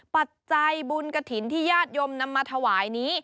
ปัจจัยบุญกระถิ่นที่ญาติโยมนำมาถวายนี้